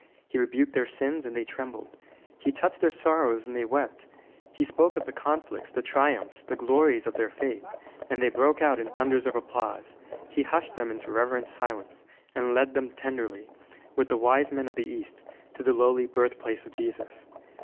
He rebuked their sins, and they trembled. He touched their sorrows, and they wept. He spoke of the conflicts, the triumphs, the glories of their faith, and they broke out in thunders of applause. He hushed them into reverent silence, and led them tenderly, with the wise men of the East, to the lowly birthplace of Jesus.